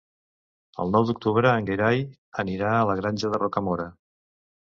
El nou d'octubre en Gerai anirà a la Granja de Rocamora.